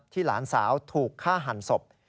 หลานสาวถูกฆ่าหันศพ